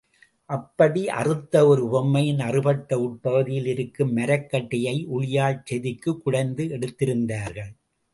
அப்படி அறுத்த ஒரு பொம்மையின் அறுபட்ட உட்பகுதியிலே இருக்கும் மரக்கட்டையை உளியால் செதுக்கிக் குடைந்து எடுத்திருந்தார்கள்.